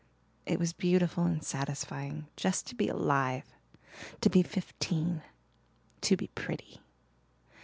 It was beautiful and satisfying just to be alive to be fifteen to be pretty.